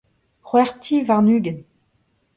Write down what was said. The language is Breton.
c'hwec'h ti warn-ugent.